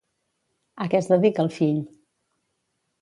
A què es dedica el fill?